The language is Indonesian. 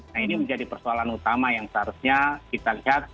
nah ini menjadi persoalan utama yang seharusnya kita lihat